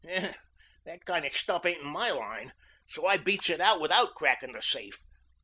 That kind of stuff ain't in my line, so I beats it out without crackin' the safe.